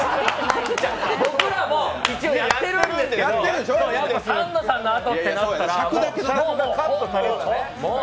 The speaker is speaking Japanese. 僕らも一応やってるんですけど、サンドさんのあとってなったらもう、もう。